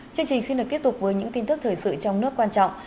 chương trình xin được tiếp tục với những tin tức thời sự trong nước quan trọng